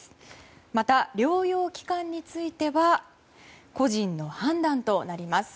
また、療養期間については個人の判断となります。